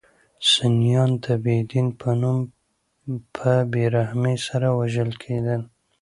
سنیان د بې دین په نوم په بې رحمۍ سره وژل کېدل.